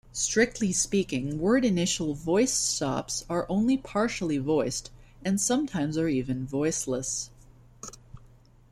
Strictly speaking, word-initial voiced stops are only partially voiced, and sometimes are even voiceless.